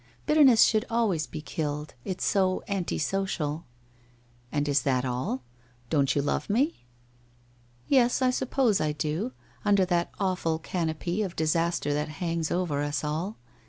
Bitterness should always be killed. It's so anti social/ * And is that all ? Don't you love me ?'' Yes, I suppose I do, under that awful canopy of dis aster that hangs over us all.